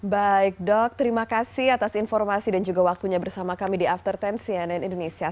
baik dok terima kasih atas informasi dan juga waktunya bersama kami di after sepuluh cnn indonesia